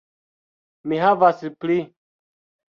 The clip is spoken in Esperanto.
Mi havas pli